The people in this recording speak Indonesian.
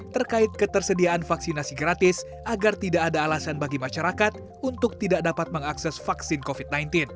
terkait ketersediaan vaksinasi gratis agar tidak ada alasan bagi masyarakat untuk tidak dapat mengakses vaksin covid sembilan belas